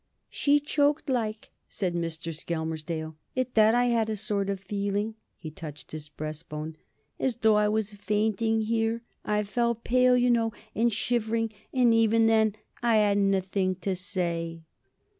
"She choked like," said Mr. Skelmersdale. "At that, I had a sort of feeling " (he touched his breastbone) "as though I was fainting here. I felt pale, you know, and shivering, and even then I 'adn't a thing to say."